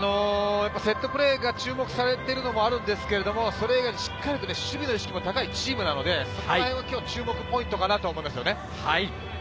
セットプレーが注目されているのもあるんですけれど、それ以外もしっかりと守備の意識も高いチームなのでそこら辺も注目ポイントかなと思います。